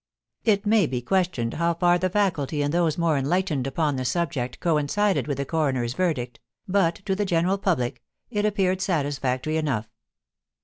It may be questioned how far the faculty and those more enlightened upon the subject coincided with the coroner's verdict, but, to the general public, it appeared satisfactory enough.